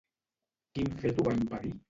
Quin fet ho va impedir?